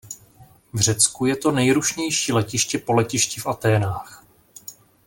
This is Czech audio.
V Řecku je to nejrušnější letiště po letišti v Aténách.